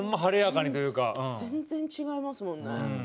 全然違いますもんね。